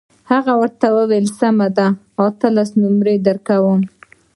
هغه وویل سمه ده اتلس نمرې درکوم.